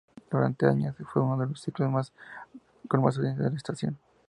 Durante años fue uno de los ciclos con mas audiencia de la estación.